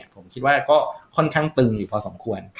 ผมคิดว่าก็ค่อนข้างตึงอยู่พอสมควร